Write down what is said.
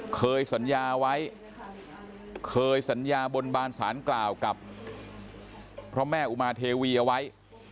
เคยสัญญาไว้เคยสัญญาบนบานสารกล่าวกับพระแม่อุมาเทวีเอาไว้